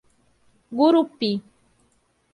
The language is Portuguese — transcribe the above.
Gurupi